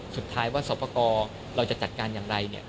สุดท้ายว่าสอบประกอบเราจะจัดการอย่างไร